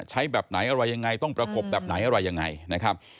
แบบไหนอะไรยังไงต้องประกบแบบไหนอะไรยังไงนะครับ